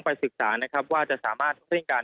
ไปศึกษาว่าจะสามารถการเริ่มการ